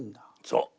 そう。